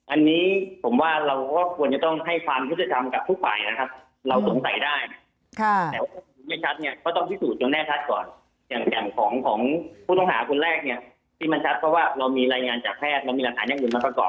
อันนี้ผมว่าเราควรจะต้องให้ความทริทย์ราชรรมกับทุกฝ่ายนะครับ